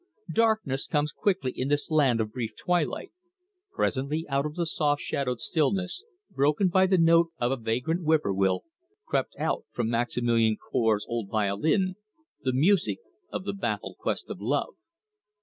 Darkness comes quickly in this land of brief twilight. Presently out of the soft shadowed stillness, broken by the note of a vagrant whippoorwill, crept out from Maximilian Cour's old violin the music of 'The Baffled Quest of Love'.